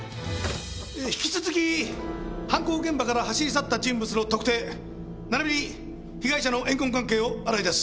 引き続き犯行現場から走り去った人物の特定並びに被害者の怨恨関係を洗い出す。